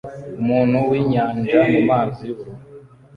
Umuntu winyanja mumazi yubururu